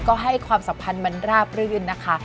ก็ให้ความสัมพันธ์มันราบรื่นนะคะ